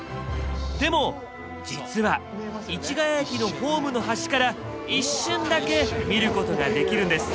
でも実は市ケ谷駅のホームの端から一瞬だけ見ることができるんです。